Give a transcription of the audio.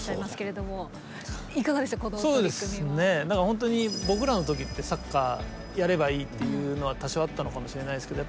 本当に僕らの時ってサッカーやればいいっていうのは多少あったのかもしれないですけど